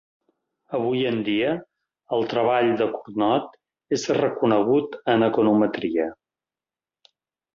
Avui en dia, el treball de Cournot és reconegut en econometria.